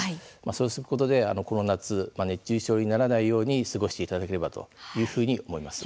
そうすることで、この夏熱中症にならないように過ごしていただければというふうに思います。